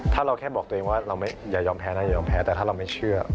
ถ้าเราแค่บอกตัวเองว่าอย่ายอมแพ้แต่ถ้าเราไม่เชื่อ